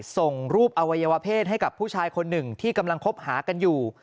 ส่งรูปอวัยวะเพศให้กับผู้ชายคนหนึ่งที่กำลังคบหากันอยู่